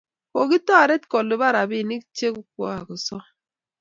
kokitaret kolipan rabinik che kwako som